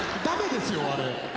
ダメですよあれ。